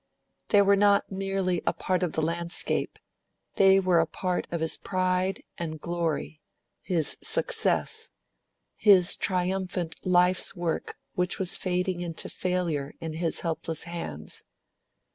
They were not merely a part of the landscape; they were a part of his pride and glory, his success, his triumphant life's work which was fading into failure in his helpless hands.